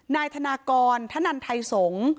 นายธนากรธนันไทยสงฆ์